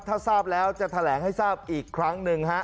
ถ้าทราบแล้วจะแถลงให้ทราบอีกครั้งหนึ่งฮะ